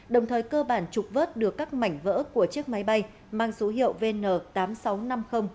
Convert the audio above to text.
đồng thời cơ bản trục vớt được các mảnh vỡ của chiếc máy bay mang số hiệu vn tám nghìn sáu trăm năm mươi